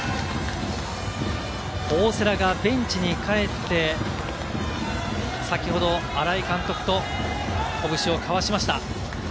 大瀬良がベンチにかえって、先ほど新井監督と拳を交わしました。